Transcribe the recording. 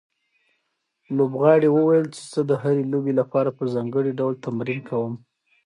لوبغاړي وویل چې زه د هرې لوبې لپاره په ځانګړي ډول تمرین کوم.